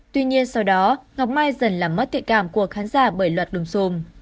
tuy nhiên sau đó ngọc mai dần làm mất tự cảm của khán giả bởi luật đùm xùm